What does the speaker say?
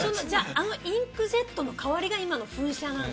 あのインクジェットの代わりが今の噴射なんだ。